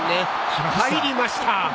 入りました！